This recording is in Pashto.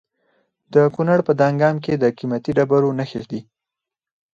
د کونړ په دانګام کې د قیمتي ډبرو نښې دي.